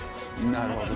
なるほどね。